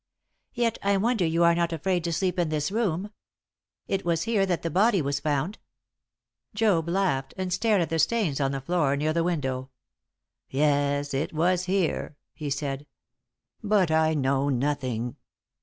"Yet I wonder you are not afraid to sleep in this room. It was here that the body was found." Job laughed, and stared at the stains on the floor near the window. "Yes; it was here," he said. "But I know nothing."